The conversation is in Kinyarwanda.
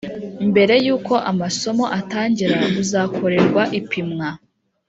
Mbere y uko amasomo atangira uzakorerwa ipimwa